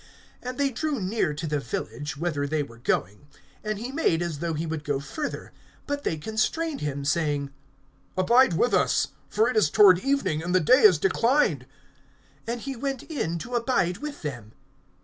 (28)And they drew near to the village, whither they were going; and he made as though he would go further. (29)But they constrained him, saying: Abide with us; for it is toward evening, and the day has declined. And he went in to abide with them.